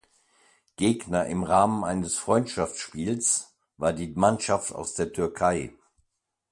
Gegner im Rahmen eines Freundschaftsspiels war die Mannschaft aus der Türkei.